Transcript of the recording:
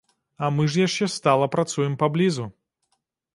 А мы ж яшчэ стала працуем паблізу.